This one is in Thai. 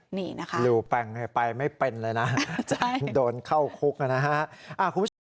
หลูแปลงไปไม่เป็นเลยนะโดนเข้าคุกนะฮะ